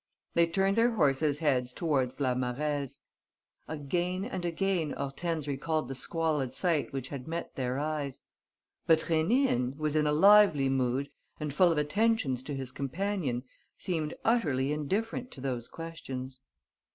They turned their horses' heads towards La Marèze. Again and again Hortense recalled the squalid sight which had met their eyes. But Rénine, who was in a lively mood and full of attentions to his companion, seemed utterly indifferent to those questions.